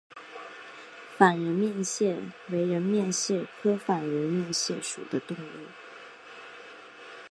仿人面蟹为人面蟹科仿人面蟹属的动物。